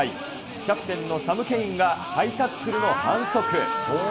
キャプテンのサム・ケインがハイタックルの反則。